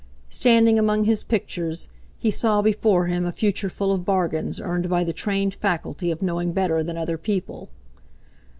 Standing among his pictures, he saw before him a future full of bargains earned by the trained faculty of knowing better than other people.